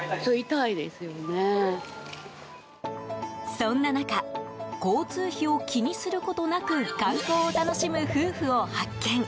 そんな中交通費を気にすることなく観光を楽しむ夫婦を発見。